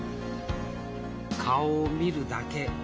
「顔を見るだけ。